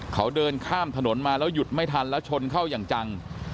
เขาเดินข้ามถนนมาแล้วหยุดไม่ทันแล้วชนเข้าอย่างจัง